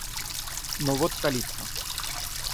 – Но вот калитка.